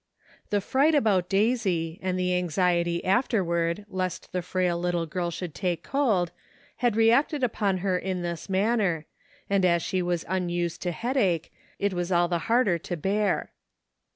The fright about Daisy and the anxiety after ward lest the frail little girl should take cold, had reacted upon her in this manner, and as she was unused to headache, it was all the harder to bear.